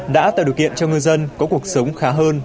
đã tạo điều kiện cho ngư dân có cuộc sống khá hơn